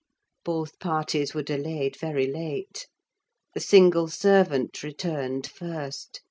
Both parties were delayed very late. The single servant returned first.